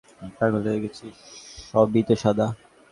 পাগল হয়ে গেছি, সবই তো সাদা।